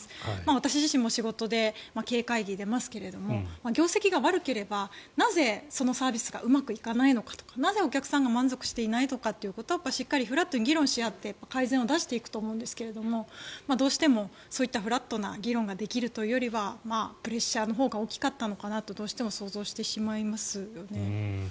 私自身も、仕事で経営会議に出ますけど業績が悪ければなぜ、そのサービスがうまくいかないのかとかなぜお客さんが満足していないのかということをしっかりフラットに議論し合って改善を出していくと思うんですがどうしてもそういったフラットな議論ができるというよりはプレッシャーのほうが大きかったのかなと、どうしても想像してしまいますよね。